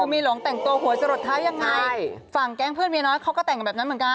คือเมียหลวงแต่งโถ่หัวจะหลดไทยอย่างไรฝั่งแก๊งเพื่อนเมียน้อยเขาก็แต่งแบบนั้นเหมือนกัน